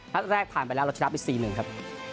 นัดแรกผ่านไปแล้วเราจะรับอีก๔๑ครับ